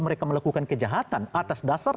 mereka melakukan kejahatan atas dasar